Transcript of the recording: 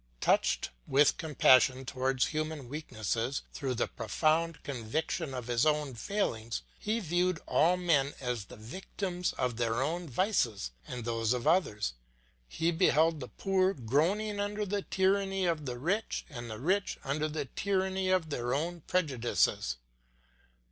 Touched with compassion towards human weaknesses through the profound conviction of his own failings, he viewed all men as the victims of their own vices and those of others; he beheld the poor groaning under the tyranny of the rich, and the rich under the tyranny of their own prejudices.